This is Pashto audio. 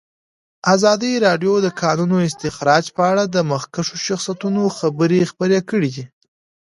ازادي راډیو د د کانونو استخراج په اړه د مخکښو شخصیتونو خبرې خپرې کړي.